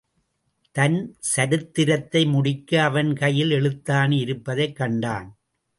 தன் சரித்திரத்தை முடிக்க அவன் கையில் எழுத்தாணி இருப்பதைக் கண்டான்.